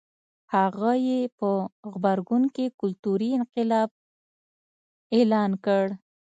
هغه یې په غبرګون کې کلتوري انقلاب اعلان کړ.